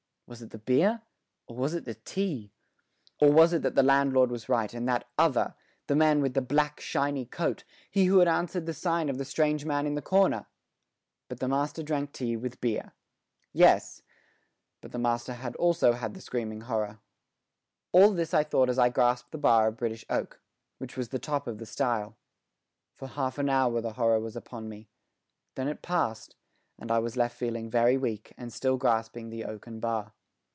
Was it the beer or was it the tea? Or was it that the landlord was right and that other, the man with the black, shiny coat, he who had answered the sign of the strange man in the corner? But the master drank tea with beer. Yes, but the master also had the screaming horror. All this I thought as I grasped the bar of British oak, which was the top of the stile. For half an hour the horror was upon me. Then it passed, and I was left feeling very weak and still grasping the oaken bar.